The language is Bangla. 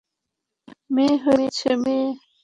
মেয়ে হয়েছে, মেয়ে।